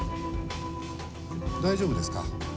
大丈夫ですか？